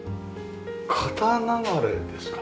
片流れですか？